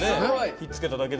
ひっつけただけで。